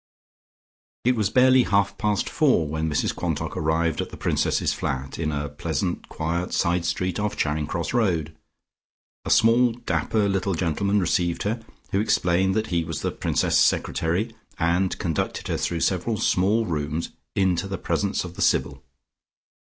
It was barely half past four when Mrs Quantock arrived at the Princess's flat, in a pleasant quiet side street off Charing Cross Road. A small dapper little gentleman received her, who explained that he was the Princess's secretary, and conducted her through several small rooms into the presence of the Sybil.